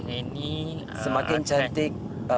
ini semakin cantik